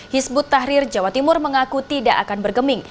hizbut tahrir jawa timur mengaku tidak akan bergeming